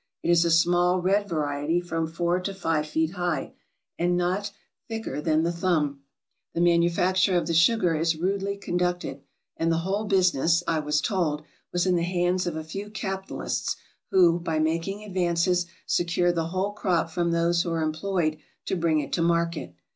It is a small, red variety, from four to five feet high, and not thicker than the thumb. The manufacture of the sugar is rudely conducted ; and the whole business, I was told, was MISCELLANEOUS 403 in the hands of a few capitalists, who, by making advances, secure the whole crop from those who are employed to bring it to market.